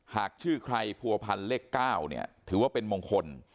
หากชื่อใครผัวพันเลข๙ถือว่าเป็นมงคล